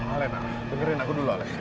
alena dengerin aku dulu alena